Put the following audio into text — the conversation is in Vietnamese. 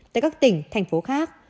tại các tỉnh thành phố khác